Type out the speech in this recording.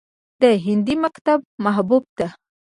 د هندي مکتب محبوب ته